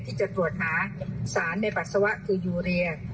ที่จะตรวจหาสารในปัสสาวะคือยูเรีย